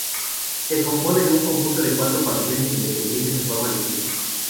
Se compone de un conjunto de cuatro pabellones independientes en forma de cruz.